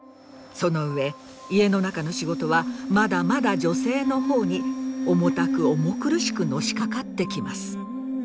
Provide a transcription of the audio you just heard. その上家の中の仕事はまだまだ女性の方に重たく重苦しくのしかかってきます。